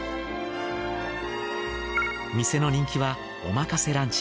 店の人気はおまかせランチ。